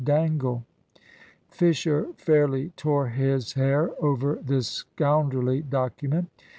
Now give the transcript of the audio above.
Dangle." Fisher fairly tore his hair over this scoundrelly document.